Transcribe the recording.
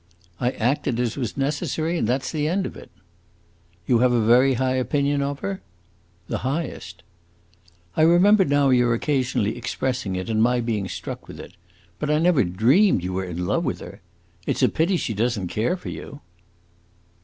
"I acted as was necessary, and that 's the end of it." "You have a very high opinion of her?" "The highest." "I remember now your occasionally expressing it and my being struck with it. But I never dreamed you were in love with her. It 's a pity she does n't care for you!"